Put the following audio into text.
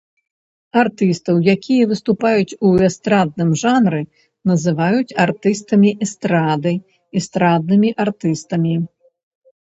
Артыстаў, якія выступаюць у эстрадным жанры, называюць артыстамі эстрады, эстраднымі артыстамі.